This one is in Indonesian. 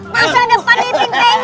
masa depan iping penyum